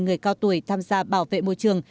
người cao tuổi tham gia bảo vệ môi trường